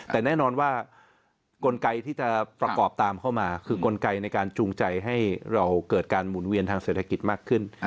แต่แน่นอนว่ากลไกที่จะประกอบตามเข้ามาคือกลไกในการจูงใจให้เราเกิดการหมุนเวียนทางเศรษฐกิจมากขึ้น